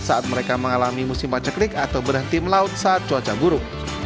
saat mereka mengalami musim paceklik atau berhenti melaut saat cuaca buruk